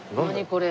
これ。